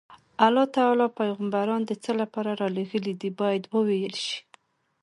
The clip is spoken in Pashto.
الله تعالی پیغمبران د څه لپاره رالېږلي دي باید وویل شي.